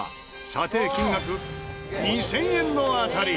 査定金額２０００円の当たり。